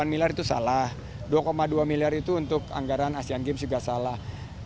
delapan miliar itu salah dua dua miliar itu untuk anggaran asean games juga salah